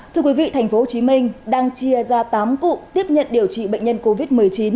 thưa quý vị tp hcm đang chia ra tám cụm tiếp nhận điều trị bệnh nhân covid một mươi chín